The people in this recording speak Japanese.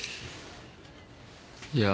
いや。